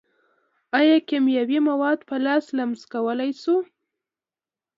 ایا کیمیاوي مواد په لاس لمس کولی شو.